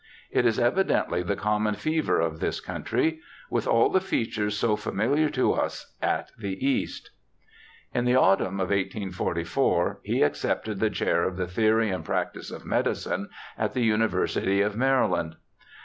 It is evidently the common fever of this country, with all the features so familiar to us at the East.' In the autumn of 1844 he accepted the chair of the theory and practice of medicine at the University of Maryland.